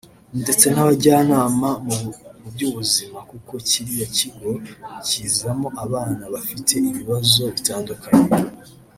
ndetse n’abajyanama mu by’ubuzima kuko kiriya kigo kizamo abana bafite ibibazo bitandukanye